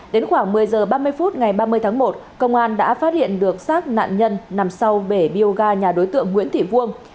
đến khoảng một mươi h ba mươi phút ngày ba mươi tháng một công an đã phát hiện được xác nạn nhân nằm sau bể bioga nhà đối tượng nguyễn thị vuông